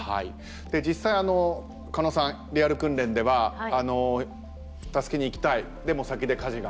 実際狩野さん「リアル訓練」では助けに行きたいでも先で火事があると。